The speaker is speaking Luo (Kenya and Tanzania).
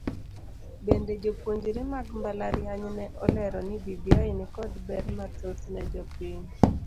Bende jopuonjre mag mbalariany ne olero ni bbi nikod ber mathoth ne jopiny.